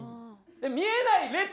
見えない列。